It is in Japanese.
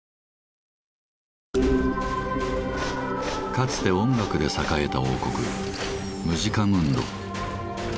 かつて音楽で栄えた王国「ムジカムンド」。